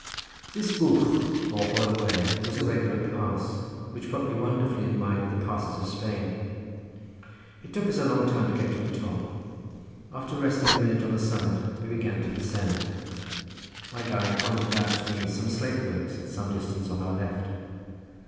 This bwlch, or hollow way, was a regular pass, which put me wonderfully in mind of the passes of Spain. It took us a long time to get to the top. After resting a minute on the summit we began to descend. My guide pointed out to me some slate works, at some distance on our left.